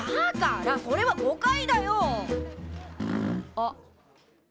あっ。